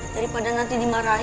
daripada nanti dimarahi